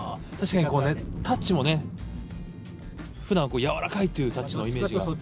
確かにタッチもねふだんはやわらかいっていうタッチのイメージが。